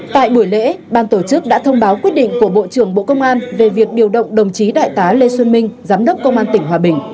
tại buổi lễ ban tổ chức đã thông báo quyết định của bộ trưởng bộ công an về việc điều động đồng chí đại tá lê xuân minh giám đốc công an tỉnh hòa bình